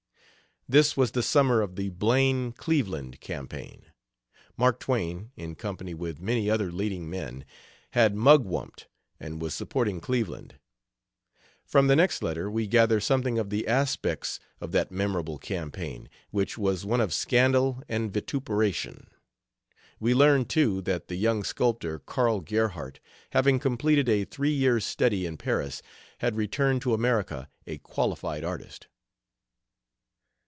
This was the summer of the Blaine Cleveland campaign. Mark Twain, in company with many other leading men, had mugwumped, and was supporting Cleveland. From the next letter we gather something of the aspects of that memorable campaign, which was one of scandal and vituperation. We learn, too, that the young sculptor, Karl Gerhardt, having completed a three years' study in Paris, had returned to America a qualified artist.